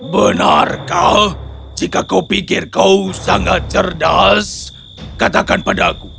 benarkah jika kau pikir kau sangat cerdas katakan padaku